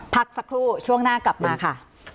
พักสักครู่ช่วงหน้ากลับมาค่ะ